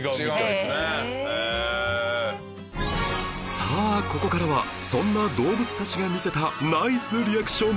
さあここからはそんな動物たちが見せたナイスリアクション